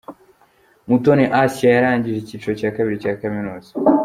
Mutoni Assiah yarangije icyiciro cya kabiri cya Kaminuza .